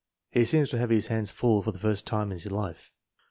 "He seems to have his hands full for the first time in his life."